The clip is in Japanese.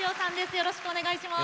よろしくお願いします。